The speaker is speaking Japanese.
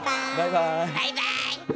バイバーイ。